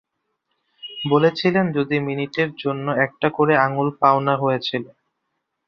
বলেছিলেন প্রতি মিনিটের জন্য একটা করে আঙুল পাওনা হয়েছিল।